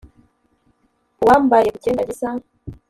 uwambaliye ku cyenda gisa?